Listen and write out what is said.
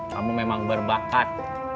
kamu memang berbakat